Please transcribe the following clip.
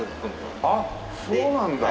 あっそうなんだ。